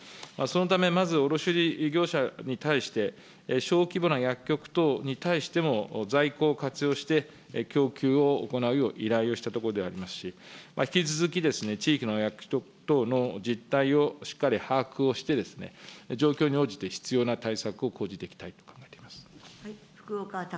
そのため、まず、卸売業者に対して、小規模な薬局等に対しても在庫を活用して、供給を行うよう、依頼をしたところでありますし、引き続き、地域の薬局等の実態をしっかり把握をして、状況に応じて必要な対策を講じていきたいと考えております。